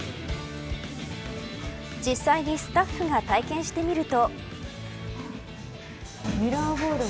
実際にスタッフが体験してみると。